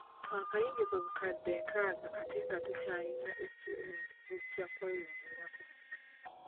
Twakayingiza obukadde nkaaga ate nga tukyalina essuubi nti zijja kweyongerako.